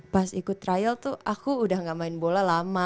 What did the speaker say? pas ikut trial tuh aku udah gak main bola lama